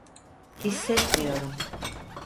Hissetmiyorum.